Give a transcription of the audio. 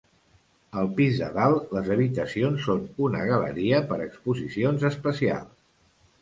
Al pis de dalt les habitacions són una galeria per exposicions especials.